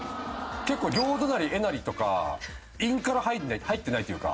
「両隣えなり」とか韻から入ってないというか。